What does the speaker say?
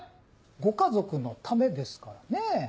ご家族のためですからね。